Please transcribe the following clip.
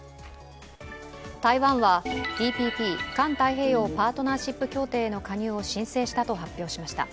台湾はＴＰＰ＝環太平洋パートナーシップ協定への加入を申請したと発表しました。